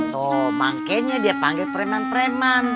tuh mangkenya dia panggil preman preman